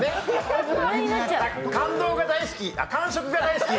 感動が大好きあっ、感触が大好き。